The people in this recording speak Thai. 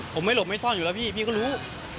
ผมไม่หลบไม่ซ่อนอยู่แล้วพี่พี่ก็รู้